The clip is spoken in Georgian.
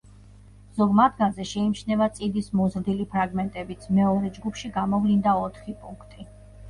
ზოგ მათგანზე შეიმჩნევა წიდის მოზრდილი ფრაგმენტებიც, მეორე ჯგუფში გამოვლინდა ოთხი პუნქტი.